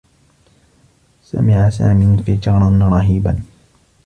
سمع سامي انفجارا رهيبا.